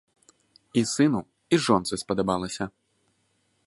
І сыну, і жонцы спадабалася!